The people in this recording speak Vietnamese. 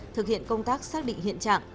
thực hiện công tác xác định hiện trạng